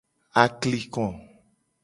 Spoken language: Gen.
Akliko.